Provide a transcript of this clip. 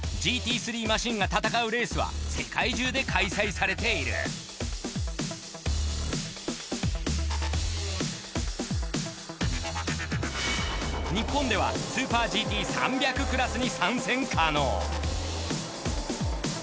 ＧＴ３マシンが戦うレースは世界中で開催されている日本ではＳＵＰＥＲＧＴ３００クラスに参戦可能！